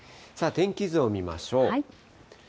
天気図を見ましょう。